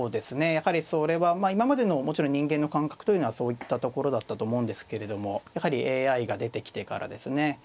やはりそれはまあ今までのもちろん人間の感覚というのはそういったところだったと思うんですけれどもやはりＡＩが出てきてからですね